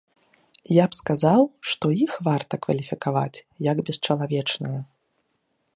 Я б сказаў, што іх варта кваліфікаваць як бесчалавечныя.